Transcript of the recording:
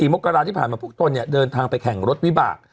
มกราที่ผ่านมาพวกตนเนี่ยเดินทางไปแข่งรถวิบาก